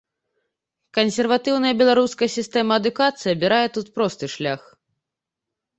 Кансерватыўная беларуская сістэма адукацыі абірае тут просты шлях.